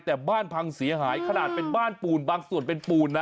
แต่บ้านพังเสียหายขนาดเป็นบ้านปูนบางส่วนเป็นปูนนะ